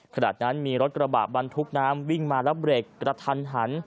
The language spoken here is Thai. ขณะนั้นมีรถกระบะบรรทุกน้ำวิ่งมาแล้วเบรกกระทันหัน